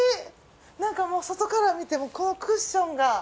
なんかもう外から見てもこのクッションが。